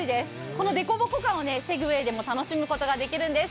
この凸凹感をセグウェイで楽しむことができるんです。